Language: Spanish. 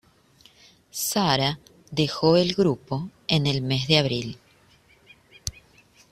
Sara, dejó el grupo en el mes de abril.